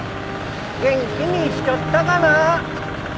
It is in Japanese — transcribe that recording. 元気にしちょったかな。